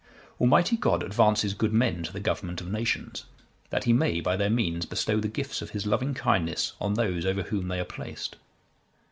_ Almighty God advances good men to the government of nations, that He may by their means bestow the gifts of His loving kindness on those over whom they are placed.